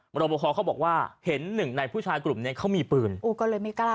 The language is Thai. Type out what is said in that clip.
รบคอเขาบอกว่าเห็นหนึ่งในผู้ชายกลุ่มเนี้ยเขามีปืนโอ้ก็เลยไม่กล้า